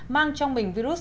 mang trong mình virus